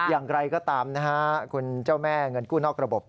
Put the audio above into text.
อย่างไรก็ตามนะฮะคุณเจ้าแม่เงินกู้นอกระบบ